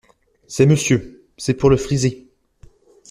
C’est Monsieur… c’est pour le friser…